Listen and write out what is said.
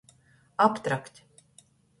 Aptrakt.